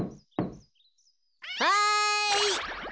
はい！